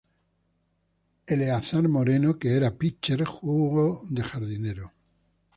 Eleazar Moreno que era pitcher jugo de jardinero.